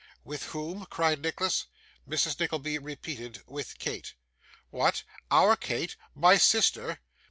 'With whom?' cried Nicholas. Mrs. Nickleby repeated, with Kate. 'What! OUR Kate! My sister!